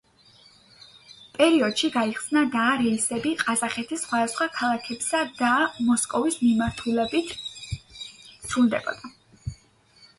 აეროპორტი საბჭოთა პერიოდში გაიხსნა და რეისები ყაზახეთის სხვადასხვა ქალაქებისა და მოსკოვის მიმართულებით სრულდებოდა.